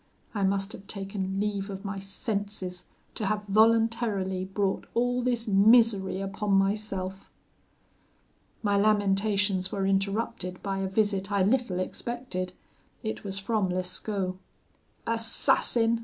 I must have taken leave of my senses, to have voluntarily brought all this misery upon myself.' "My lamentations were interrupted by a visit I little expected; it was from Lescaut. 'Assassin!'